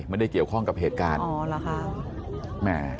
ไม่ได้เกี่ยวข้องกับเหตุการณ์